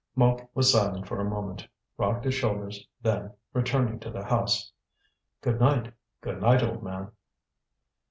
Mouque was silent for a moment, rocked his shoulders; then, returning to the house: "Good night, good night, old man."